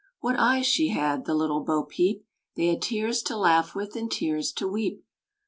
What eyes she had, the little Bo Peep! They had tears to laugh with, and tears to weep.